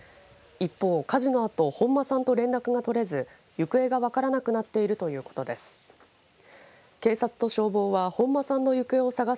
一方、火事のあと本間さんと連絡が取れず行方が分からなくなっているということです。